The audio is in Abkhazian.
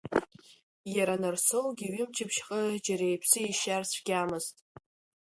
Иара Нарсоугьы ҩымчыбжьҟа џьара иԥсы ишьар цәгьамызт.